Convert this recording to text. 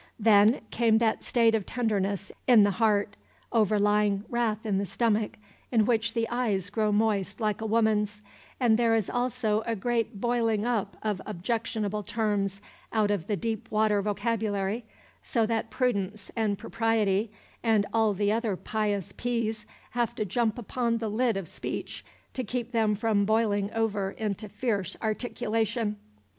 Then came that state of tenderness in the heart, overlying wrath in the stomach, in which the eyes grow moist like a woman's, and there is also a great boiling up of objectionable terms out of the deep water vocabulary, so that Prudence and Propriety and all the other pious P's have to jump upon the lid of speech to keep them from boiling over into fierce articulation.